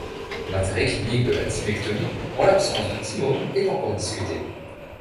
L’intérêt clinique de la thymectomie en l’absence de thymome est encore discuté.